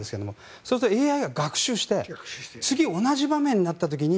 そうするとＡＩは学習して次、同じ場面になった時に